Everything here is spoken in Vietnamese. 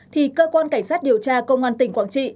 thì cơ quan cảnh sát điều tra công an tỉnh quảng trị